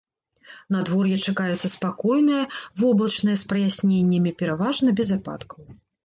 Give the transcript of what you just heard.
Надвор'е чакаецца спакойнае, воблачнае з праясненнямі, пераважна без ападкаў.